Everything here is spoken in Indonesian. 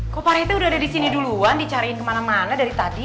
kok parete udah ada disini duluan dicariin kemana mana dari tadi